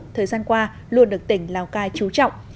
thời gian qua luôn được tỉnh lào cai chú trọng